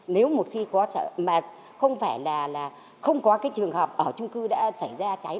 nếu một khi có sợ mà không phải là không có cái trường hợp ở trung cư đã xảy ra cháy